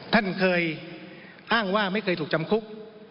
ท่านเคยอ้างว่าไม่เคยถูกจำคุก